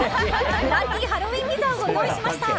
ブラッディハロウィンピザをご用意しました。